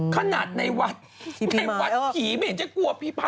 ขนาดในวัดในวัดผีไม่เห็นจะกลัวผีพระ